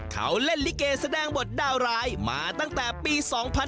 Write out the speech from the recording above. เขาเล่นลิเกแสดงบทดาวร้ายมาตั้งแต่ปี๒๕๕๙